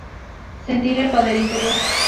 Sentir el poder interior.